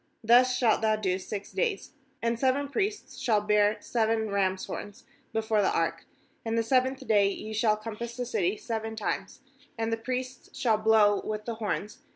Thus shalt thou do six days. 4And seven priests shall bear seven rams' horns before the ark; and the seventh day ye shall compass the city seven times, and the priests shall blow with the horns.